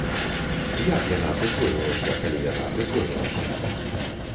Як яна прысвойвалася, калі яна прысвойвалася!?